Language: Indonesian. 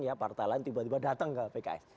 ya partai lain tiba tiba datang ke pks